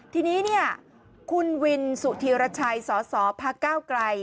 ทีนี้คุณวินสุธิรัชัยสอสสภค์๙ไกห์